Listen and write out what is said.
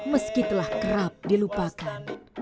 meski telah kerap dilupakan